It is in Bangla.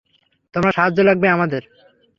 তোমার সাহায্য লাগবে আমাদের।